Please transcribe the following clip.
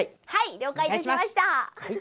了解いたしました。